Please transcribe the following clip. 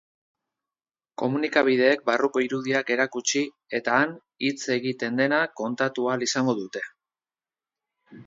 Komunikabideek barruko irudiak erakutsi eta han hitz egiten dena kontatu ahal izango dute.